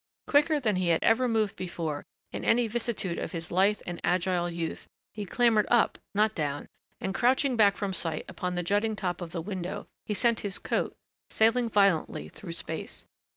Quicker than he had ever moved before, in any vicissitude of his lithe and agile youth, he clambered up, not down, and crouching back from sight upon the jutting top of the window, he sent his coat sailing violently through space.